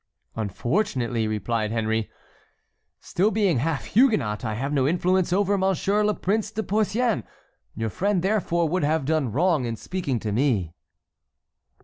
"Unfortunately," replied Henry, "still being half Huguenot, I have no influence over Monsieur le Prince de Porcian; your friend therefore would have done wrong in speaking to me."